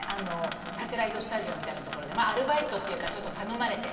サテライトスタジオみたいなところでアルバイトっていうか頼まれて。